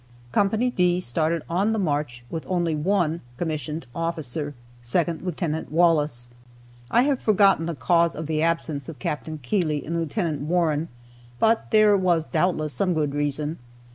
Co. D started on the march with only one commissioned officer, Second Lieutenant Wallace. I have forgotten the cause of the absence of Capt. Keeley and Lieut. Warren, but there was doubtless some good reason.